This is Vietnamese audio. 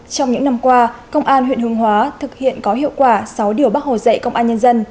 trong những năm qua công an huyện hương hóa thực hiện có hiệu quả sáu điều bác hồ dạy công an nhân dân